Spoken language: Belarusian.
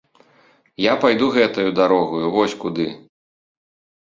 Я пайду гэтаю дарогаю, вось куды!